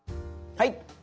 はい。